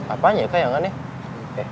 apanya kak ya nggak nih